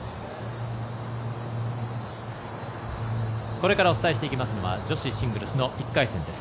これからお伝えしていくのは女子シングルスの１回戦です。